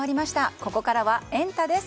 ここからはエンタ！です。